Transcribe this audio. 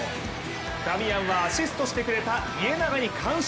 ダミアンはアシストしてくれた家長に感謝。